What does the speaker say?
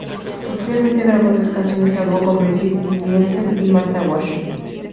Posteriormente grabó otras canciones a dúo con Brigitte Nielsen y Martha Wash.